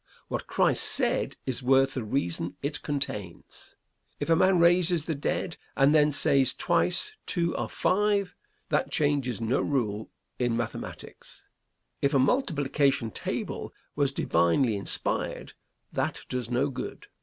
What Christ said is worth the reason it contains. If a man raises the dead and then says twice two are five, that changes no rule in mathematics. If a multiplication table was divinely inspired, that does no good.